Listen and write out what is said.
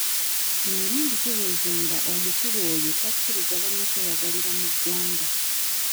Emirundi giweze nga omukulu oyo takkiriza banne kweyagalira mu ggwanga.